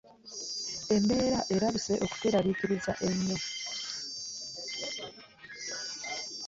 Embeera erabise okutweraliikiriza ennyo.